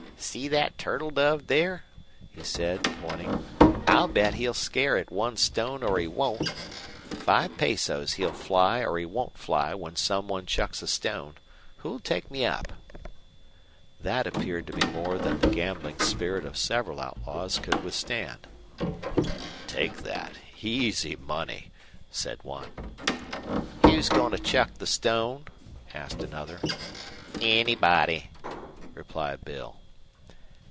"See thet turtle dove there?" he said, pointing. "I'll bet he'll scare at one stone or he won't. Five pesos he'll fly or he won't fly when some one chucks a stone. Who'll take me up?" That appeared to be more than the gambling spirit of several outlaws could withstand. "Take thet. Easy money," said one. "Who's goin' to chuck the stone?" asked another. "Anybody," replied Bill.